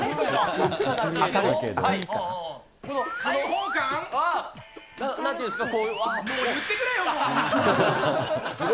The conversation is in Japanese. この開放感。なんていうんですか？